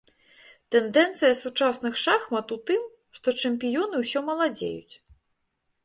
Тэндэнцыя сучасных шахмат у тым, што чэмпіёны ўсё маладзеюць.